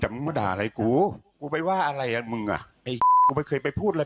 มึงมาด่าอะไรกูกูไปว่าอะไรอ่ะมึงอ่ะไอ้กูไม่เคยไปพูดอะไร